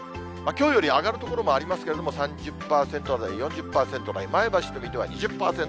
きょうより上がる所もありますけれども、３０％台、４０％台、前橋と水戸は２０％台。